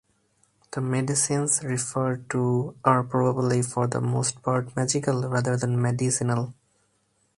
The medicines referred to are probably for the most part magical rather than medicinal.